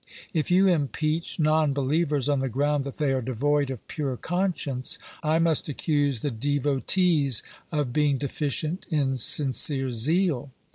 If you impeach non believers on the ground that they are devoid of pure conscience, I must accuse the devotees of being deficient in sincere zeal.